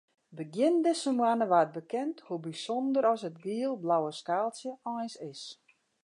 Begjin dizze moanne waard bekend hoe bysûnder as it giel-blauwe skaaltsje eins is.